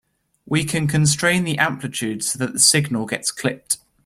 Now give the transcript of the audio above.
We can constrain the amplitude so that the signal gets clipped.